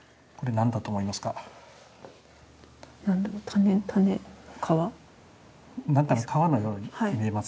何かの皮のように見えますね。